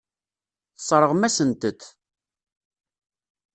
Tesseṛɣem-asent-t.